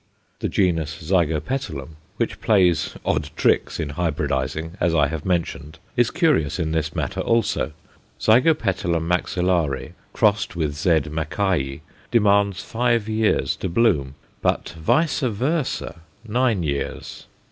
The genus Zygopetalum, which plays odd tricks in hybridizing, as I have mentioned, is curious in this matter also. Z. maxillare crossed with Z. Mackayi demands five years to bloom, but vice versâ nine years.